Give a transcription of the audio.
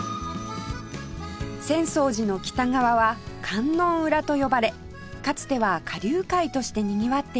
浅草寺の北側は観音裏と呼ばれかつては花柳界としてにぎわっていたエリア